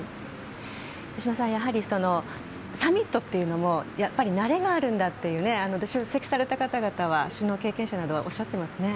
手嶋さん、やはりサミットというのもやっぱり慣れがあるんだという出席された方々は首脳経験者などおっしゃっていますね。